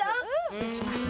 失礼します。